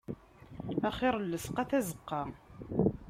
Axir llesqa, tazeqqa.